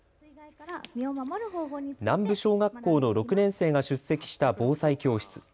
南部小学校の６年生が出席した防災教室。